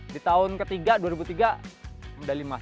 di tahun ke tiga dua ribu tiga medali emas